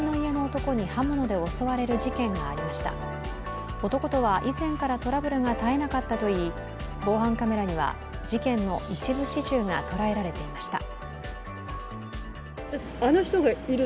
男は以前からトラブルが絶えなかったといい、防犯カメラには事件の一部始終が捉えられていました。